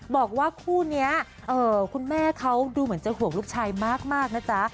บอกว่าคู่นี้คุณแม่เขาดูเหมือนจะห่วงลูกชายมากนะจ๊ะ